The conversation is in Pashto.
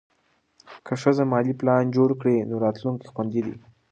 که ښځه مالي پلان جوړ کړي، نو راتلونکی خوندي دی.